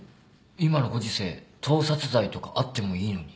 今のご時世盗撮罪とかあってもいいのに。